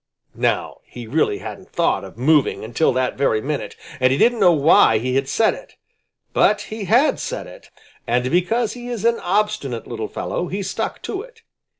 Now he really hadn't thought of moving until that very minute. And he didn't know why he had said it. But he had said it, and because he is an obstinate little fellow he stuck to it.